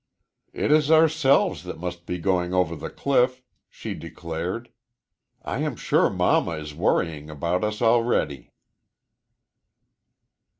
"It is ourselves that must be going over the cliff," she declared. "I am sure Mamma is worrying about us already."